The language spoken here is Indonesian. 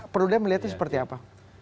perlu deh melihatnya seperti apa